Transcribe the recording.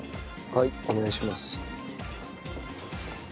はいお願いします。